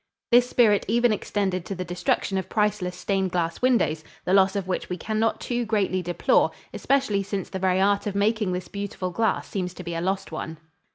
This spirit even extended to the destruction of priceless stained glass windows, the loss of which we can not too greatly deplore, especially since the very art of making this beautiful glass seems to be a lost one.